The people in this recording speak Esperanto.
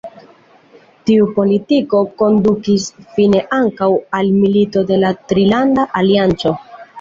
Tiu politiko kondukis fine ankaŭ al Milito de la Trilanda Alianco.